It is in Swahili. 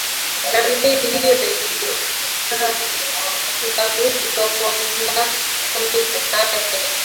jamii hiyo imekandamizwa kwa miaka mingi sana Kenya